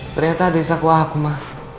ternyata ada di sakwa aku ma